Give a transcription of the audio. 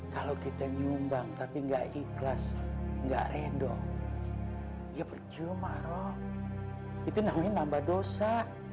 kalau kita nyumbang tapi nggak ikhlas nggak rendong ya percuma roh itu namanya nambah dosa